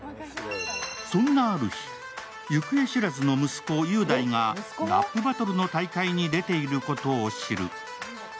そんなある日、行方知らずの息子、雄大がラップバトルの大会に出ていることを知る。